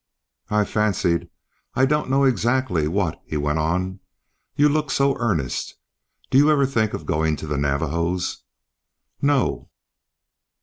"I fancied I don't know exactly what," he went on. "You looked so earnest. Do you ever think of going to the Navajos?" "No."